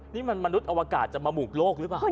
นี่มันมนุษย์อวกาศจะมาบุกโลกหรือเปล่า